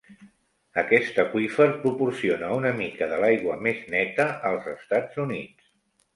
Aquest aqüífer proporciona una mica de l'aigua més neta als Estats Units.